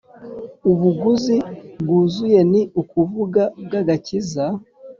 Ubuguzi bwuzuye ni ukuvuga bw'agakiza,